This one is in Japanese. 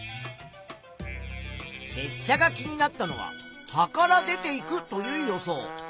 せっしゃが気になったのは葉から出ていくという予想。